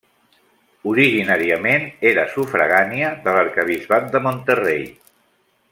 Originàriament era sufragània de l'arquebisbat de Monterrey.